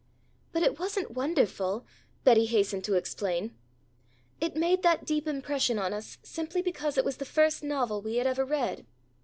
"But it wasn't wonderful," Betty hastened to explain. "It made that deep impression on us simply because it was the first novel we had ever read.